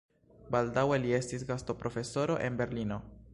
Baldaŭe li estis gastoprofesoro en Berlino.